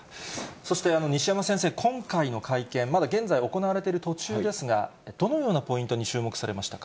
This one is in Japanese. そして、西山先生、今回の会見、まだ現在行われている途中ですが、どのようなポイントに注目されましたか。